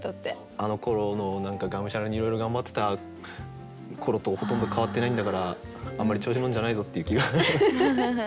あのころの何かがむしゃらにいろいろ頑張ってた頃とほとんど変わってないんだからあんまり調子に乗るんじゃないぞっていう気が今でもします。